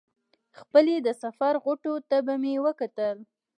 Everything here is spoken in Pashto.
خپلې د سفر غوټو ته به مې وکتل.